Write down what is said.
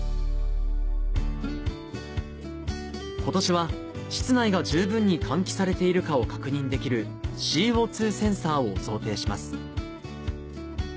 今年は室内が十分に換気されているかを確認できるＣＯセンサーを贈呈します